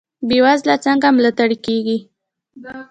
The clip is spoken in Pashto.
بې وزله څنګه ملاتړ کیږي؟